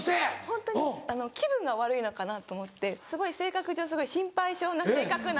ホントに気分が悪いのかなと思って性格上心配性な性格なので。